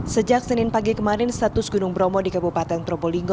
sejak senin pagi kemarin status gunung bromo di kabupaten probolinggo